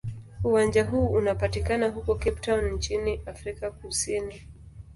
Uwanja huu unapatikana huko Cape Town nchini Afrika Kusini.